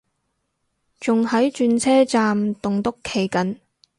仲喺轉車站棟篤企緊